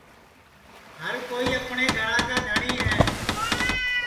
ہر کوئی اپٹؔے گھرا کا دھٹؔی ہے